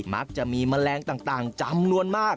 มักจะมีแมลงต่างจำนวนมาก